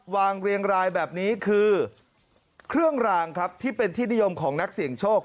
เรียงรายแบบนี้คือเครื่องรางครับที่เป็นที่นิยมของนักเสี่ยงโชค